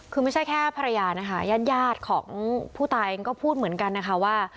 คือไม่ใช่แค่ภรรยานะคะญาติญาติของผู้ตายเองก็พูดเหมือนกันนะคะว่า